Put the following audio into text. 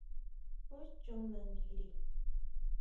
¿Jú chon nanguiri?